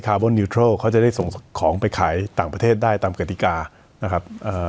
บอลนิวโทรลเขาจะได้ส่งของไปขายต่างประเทศได้ตามกติกานะครับเอ่อ